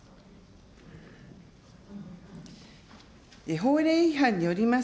法令違反によります